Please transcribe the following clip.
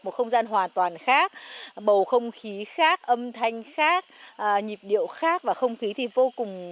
một không gian hoàn toàn khác bầu không khí khác âm thanh khác nhịp điệu khác và không khí thì vô cùng